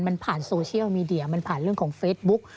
มันผ่านโซเชียลมีเดียมันผ่านเรื่องของเฟซบุ๊ก